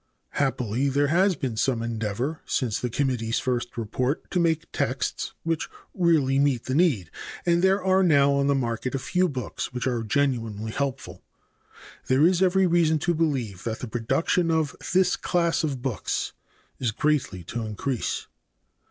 Happily there has been some endeavor since the committee's first report to make texts which really meet the need, and there are now on the market a few books which are genuinely helpful. There is every reason to believe that the production of this class of books is greatly to increase.